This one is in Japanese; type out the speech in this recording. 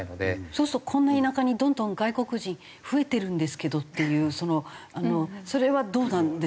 そうするとこんな田舎にどんどん外国人増えてるんですけどっていうそれはどうなんですかね？